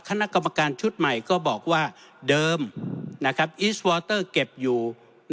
คณะกรรมการชุดใหม่ก็บอกว่าเดิมอีสวอเตอร์เก็บอยู่